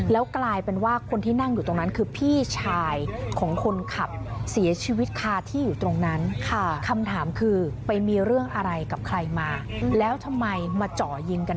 แล้วกลายเป็นว่าคนที่นั่งอยู่ตรงนั้นคือพี่ชาย